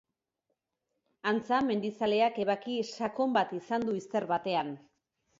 Antza, mendizaleak ebaki sakon bat izan du izter batean.